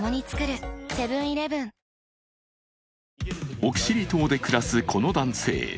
奥尻島で暮らすこの男性。